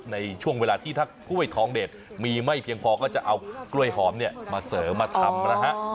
ในช่วงเวลาที่ถ้ากล้วยทองเด็ดมีไม่เพียงพอก็จะเอากล้วยหอมเนี่ยมาเสริมมาทำนะฮะ